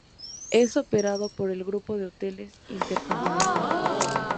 Es operado por el grupo de hoteles InterContinental.